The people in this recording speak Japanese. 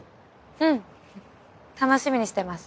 うん楽しみにしてます。